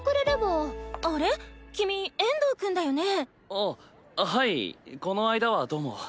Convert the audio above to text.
あっはいこの間はどうも。